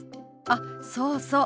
あっそうそう。